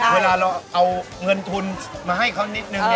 เวลาเราเอาเงินทุนมาให้เขานิดนึง